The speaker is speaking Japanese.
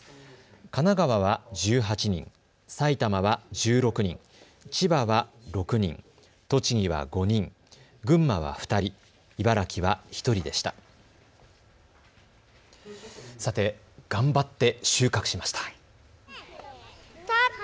神奈川は１８人、埼玉は１６人、千葉は６人、栃木は５人、群馬は２人、茨城は１人でした。